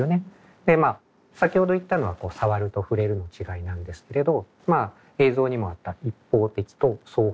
でまあ先ほど言ったのはさわるとふれるの違いなんですけれどまあ映像にもあった一方的と双方向的という違い。